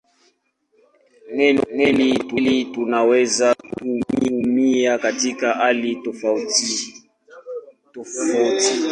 Neno hili tunaweza kutumia katika hali tofautitofauti.